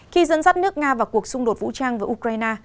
khi dẫn dắt nước nga vào cuộc xung đột vũ trang với ukraine